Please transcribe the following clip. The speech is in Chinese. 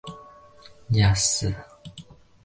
日本沙漠实践协会会长。